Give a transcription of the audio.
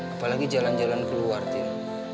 apalagi jalan jalan keluar tuh